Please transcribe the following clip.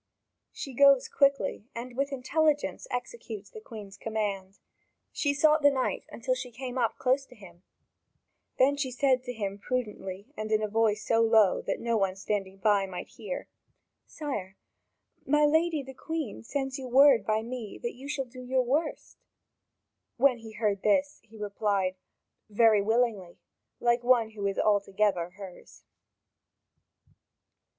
She goes quickly, and with intelligence executes the Queen's command. She sought the knight until she came up close to him; then she said to him prudently and in a voice so low that no one standing by might hear: "Sire, my lady the Queen sends you word by me that you shall do your 'worst'." When he heard this, he replied: "Very willingly," like one who is altogether hers.